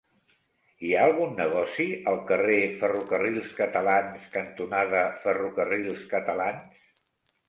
Hi ha algun negoci al carrer Ferrocarrils Catalans cantonada Ferrocarrils Catalans?